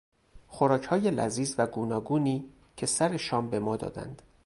خوراکهای لذیذ و گوناگونی که سر شام به ما دادند